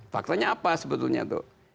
faktanya apa sebetulnya tuh